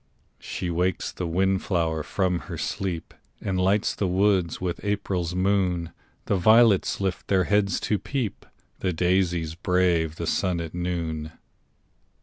She wakes the wind flower from her sleep, And lights the woods with April's moon; The violets lift their heads to peep, The daisies brave the sun at noon.